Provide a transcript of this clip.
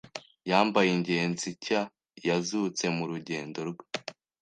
yambaye ingenzi nshya yazutse mu rugendo rwe